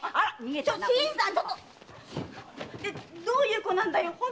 どういう子なんだよ